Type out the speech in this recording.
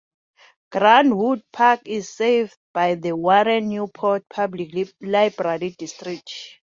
Grandwood Park is served by the Warren-Newport Public Library District.